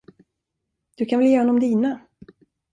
Du kan väl ge honom dina.